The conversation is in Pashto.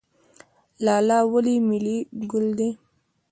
لاله ولې ملي ګل دی؟